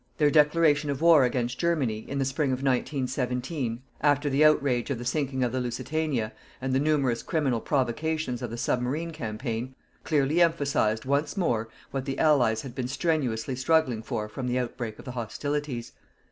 Their declaration of war against Germany, in the spring of 1917, after the outrage of the sinking of the Lusitania, and the numerous criminal provocations of the submarine campaign, clearly emphasized, once more, what the Allies had been strenuously struggling for from the outbreak of the hostilities.